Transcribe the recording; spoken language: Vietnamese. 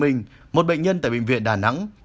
một bệnh nhân tại bệnh viện đà nẵng